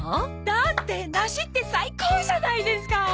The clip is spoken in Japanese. だって梨って最高じゃないですか！